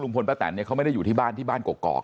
ป้าแตนเนี่ยเขาไม่ได้อยู่ที่บ้านที่บ้านกอก